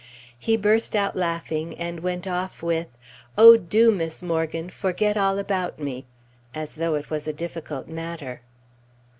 He burst out laughing, and went off with, "Oh, do, Miss Morgan, forget all about me!" as though it was a difficult matter!